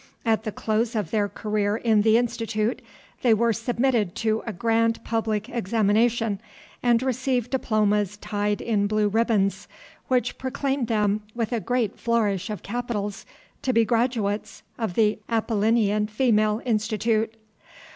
At the close of their career in the Institute, they were submitted to a grand public examination, and received diplomas tied in blue ribbons, which proclaimed them with a great flourish of capitals to be graduates of the Apollinean Female Institute.